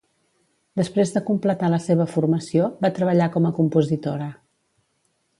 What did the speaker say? Després de completar la seva formació, va treballar com a compositora.